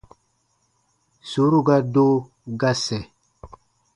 Sùuru ga do, ga sɛ̃.